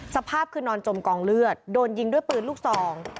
สภาพคือนอนจมกองเลือดโดนยิงด้วยปืนลูกซอง